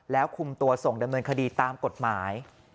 แล้วคุมตัวส่งดำเนินคดีตามกฎหมาย